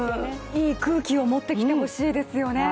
いい空気を持ってきてほしいですよね。